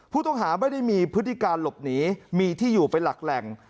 ผู้ต้องหาไม่ได้มีพฤติการหลบหนีมีที่อยู่เป็นหลักแหล่ง